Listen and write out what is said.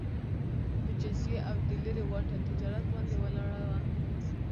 په جزیې او د لېرې واټن تجارت باندې ولاړه وه